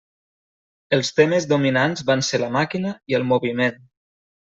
Els temes dominants van ser la màquina i el moviment.